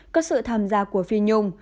có sự tham gia của phi nhung